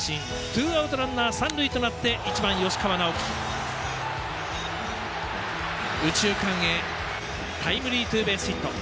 ツーアウト、ランナー三塁となって１番、吉川尚輝、右中間へタイムリーツーベースヒット。